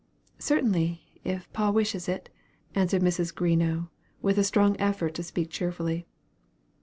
"Certainly, if pa wishes it," answered Mrs. Greenough with a strong effort to speak cheerfully.